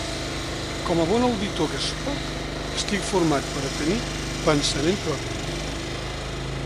Com a bon auditor que sóc, estic format per a tenir pensament propi.